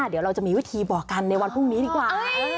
เดี๋ยวเราจะมีวิธีบอกกันในวันพรุ่งนี้ดีกว่า